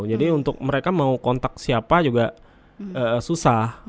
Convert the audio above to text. jadi untuk mereka mau kontak siapa juga susah